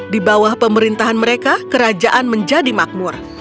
di bawah pemerintahan mereka kerajaan menjadi makmur